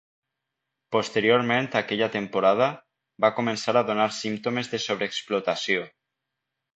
Posteriorment aquella temporada, va començar a donar símptomes de sobreexplotació.